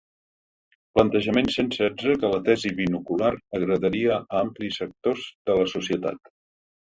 Plantejament cent setze que la tesi binocular agradaria a amplis sectors de la societat.